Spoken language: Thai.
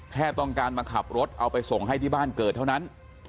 แค่ต้องการมาขับรถเอาไปส่งให้ที่บ้านเกิดเท่านั้น